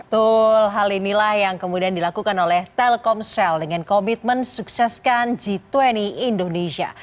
betul hal inilah yang kemudian dilakukan oleh telkomsel dengan komitmen sukseskan g dua puluh indonesia